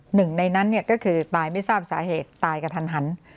หนึ่งในนั้นก็คือตายไม่ทราบสาเหตุตายกระทันหัน